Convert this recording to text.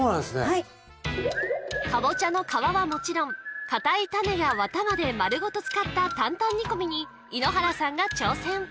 はいカボチャの皮はもちろん硬いタネやワタまで丸ごと使った担々煮込みに井ノ原さんが挑戦